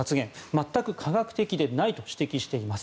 全く科学的でないと指摘しています。